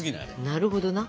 なるほどな。